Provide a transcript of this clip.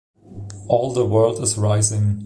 All the world is rising.